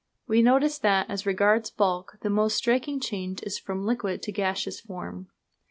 We notice that, as regards bulk, the most striking change is from liquid to gaseous form.